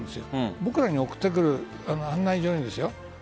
僕らに送ってくる案内状にですよ。